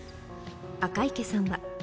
赤池さんは。